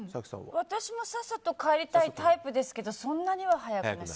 私もさっさと帰りたいタイプですがそんなに早くない。